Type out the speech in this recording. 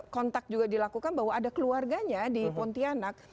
kontak juga dilakukan bahwa ada keluarganya di pontianak